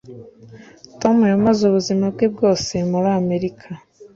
tom yamaze ubuzima bwe bwose muri amerika.